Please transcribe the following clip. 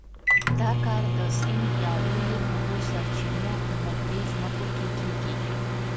دا کار د سیند یا لویو اوبو سرچینو نږدې ځمکو کې کېږي.